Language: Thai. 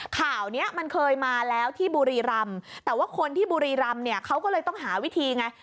ข่าวนี้มันเคยมาแล้วที่บุรีรำแต่ว่าคนที่บุรีรำเนี่ยเขาก็เลยต้องหาวิธีไง